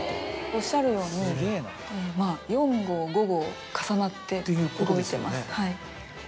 おっしゃるように４号５号重なって動いてます。